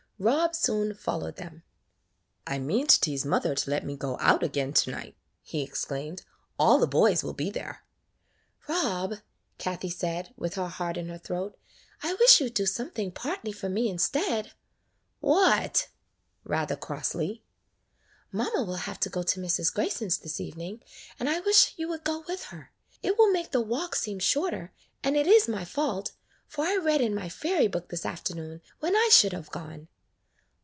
Rob soon followed them. "I mean to tease mother to let me go out again to night," he exclaimed. "All the boys will be there." "Rob," Kathie said, with her heart in her throat, "I wish you 'd do something partly for « me instead." "What.^" rather crossly. [ 38 ] KATHIE^S FAIRY LAND "Mamma will have to go to Mrs. Grayson's this evening, and I wish you would go with her. It will make the walk seem shorter, and it is my fault, for I read in my fairy book this afternoon when I should have gone."